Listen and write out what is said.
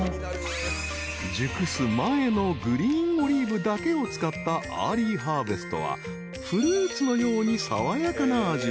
［熟す前のグリーンオリーブだけを使ったアーリーハーベストはフルーツのように］